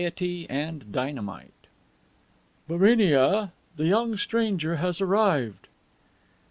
GAYETY AND DYNAMITE "BARINIA, the young stranger has arrived."